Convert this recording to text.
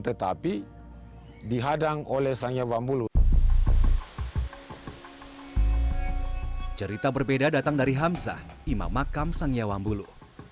tetapi dihadang oleh sangnya bambu lu cerita berbeda datang dari hamzah imam makam sangnya wambulu